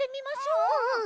うん。